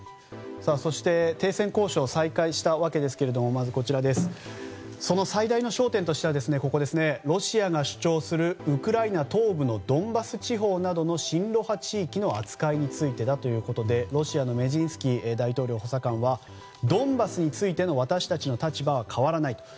そして停戦交渉が再開したわけですがその最大の焦点としてはロシアが主張するウクライナ東部のドンバス地方などの親露派地域の扱いについてだということでロシアのメジンスキー大統領補佐官はドンバスについての私たちの立場は変わらない。